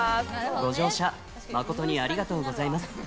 ご乗車、誠にありがとうございます。